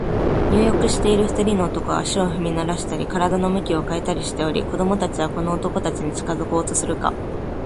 入浴している二人の男は、足を踏みならしたり、身体を向き変えたりしており、子供たちはこの男たちに近づこうとするが、